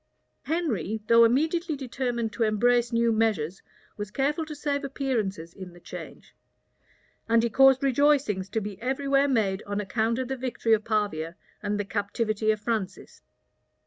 Henry, though immediately determined to embrace new measures, was careful to save appearances in the change; and he caused rejoicings to be every where made on account of the victory of Pavia and the captivity of Francis.